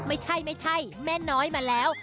อ้ะเฮ้ยไม่ใช่แม่น้อยมาแล้ว